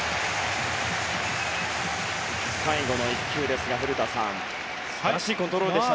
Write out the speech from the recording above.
最後の１球ですが素晴らしいコントロールでした。